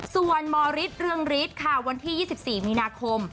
ส่วนมฤฤวันที่๒๔มีนาคม